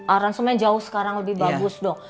aransemen jauh sekarang lebih bagus dong